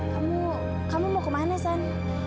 kamu kamu mau kemana san